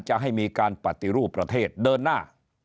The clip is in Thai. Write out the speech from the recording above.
จะให้มีการปฏิรูปประเทศเดินหน้า